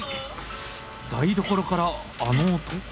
台所からあの音。